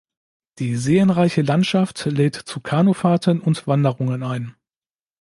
Die seenreiche Landschaft lädt zu Kanufahrten und Wanderungen ein.